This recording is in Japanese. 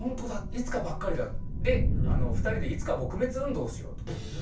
いつかばっかりだ」で２人で「いつか撲滅運動」をしようと。